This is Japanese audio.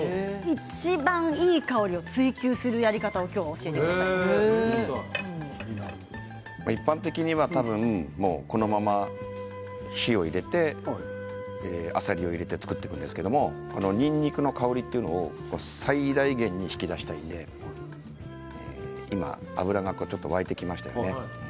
いちばんいい、香りを追求するやり方を今日は一般的にはこのまま火を入れてあさりを入れて作っていくんですけれどにんにくの香りというのを最大限に引き出したいので今、油がちょっと沸いてきましたよね。